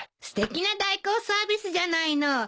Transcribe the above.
すてきな代行サービスじゃないの！